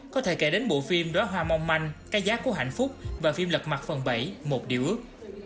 có thể kể đến bộ phim đóa hoa mong manh cái giác của hạnh phúc và phim lật mặt phần bảy một điều ước